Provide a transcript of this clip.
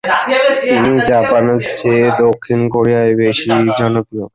তিনি জাপানের চেয়ে দক্ষিণ কোরিয়ায় বেশি জনপ্রিয়।